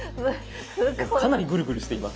かなりグルグルしています。